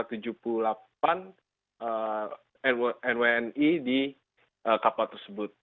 di depan nwni di kapal tersebut